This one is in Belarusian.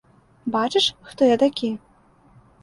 Бачыш, хто я такі?